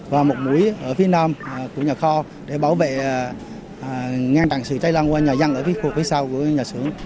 và một mũi ở phía nam của nhà kho để bảo vệ ngang tràn sự cháy lan qua nhà dân ở phía sau của nhà xưởng